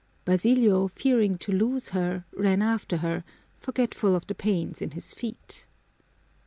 Basilio, fearing to lose her, ran after her, forgetful of the pains in his feet.